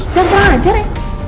jangan kejar ya